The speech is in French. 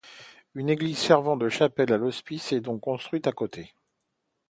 Une église servant de chapelle à l'hospice est donc construite à côté.